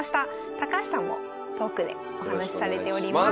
高橋さんもトークでお話しされております。